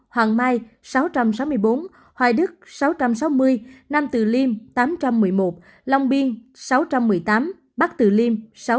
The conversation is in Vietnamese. hoàng mai sáu trăm sáu mươi bốn hoài đức sáu trăm sáu mươi nam từ liêm tám trăm một mươi một long biên sáu trăm một mươi tám bắc từ liêm sáu trăm linh một